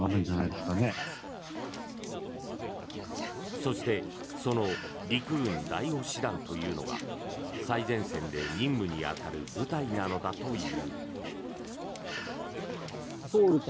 そしてその陸軍第５師団というのは最前線で任務に当たる部隊なのだという。